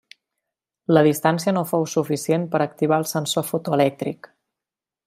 La distància no fou suficient per activar el sensor fotoelèctric.